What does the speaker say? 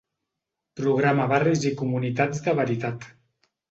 Programa Barris i Comunitats de Veritat.